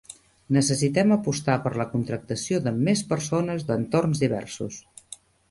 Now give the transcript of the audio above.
Necessitem apostar per la contractació de més persones d'entorns diversos.